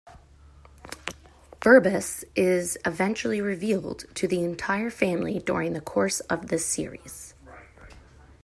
Ferbus is eventually revealed to the entire family during the course of the series.